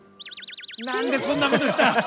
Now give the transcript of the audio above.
何でこんなことした？